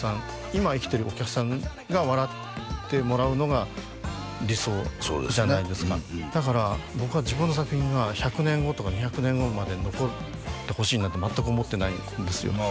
今生きてるお客さんが笑ってもらうのが理想じゃないですかそうですねだから僕は自分の作品が１００年後とか２００年後まで残ってほしいなんて全く思ってないんですよ